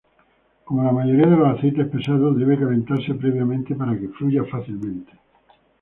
Como la mayoría de los aceites pesados, debe calentarse previamente para que fluya fácilmente.